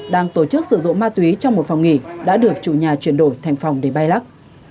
ma túy trong một phòng nghỉ đã được chủ nhà chuyển đổi thành phòng để bay lắc